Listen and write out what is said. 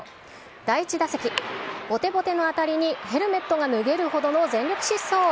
第１打席、ぼてぼての当たりにヘルメットが脱げるほどの全力疾走。